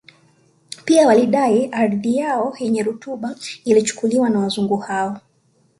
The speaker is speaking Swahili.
Pia walidai ardhi yao yenye rutuba iliyochukuliwa na Wazungu hao